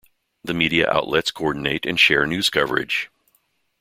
The media outlets coordinate and share news coverage.